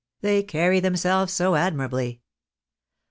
They carry themselves so admirably."